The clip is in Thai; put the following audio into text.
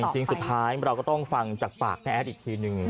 จริงสุดท้ายเราก็ต้องฟังจากปากแม่แอดอีกทีนึง